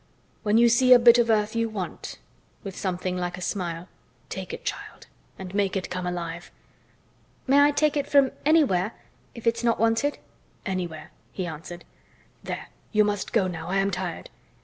When you see a bit of earth you want," with something like a smile, "take it, child, and make it come alive." "May I take it from anywhere—if it's not wanted?" "Anywhere," he answered. "There! You must go now, I am tired."